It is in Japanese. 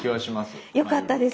あよかったです。